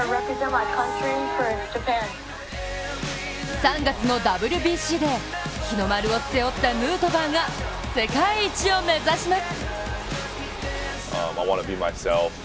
３月のＷＢＣで日の丸を背負ったヌートバーが世界一を目指します。